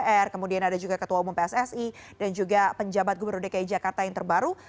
dpr kemudian ada juga ketua umum pssi dan juga penjabat gubernur dki jakarta yang terbaru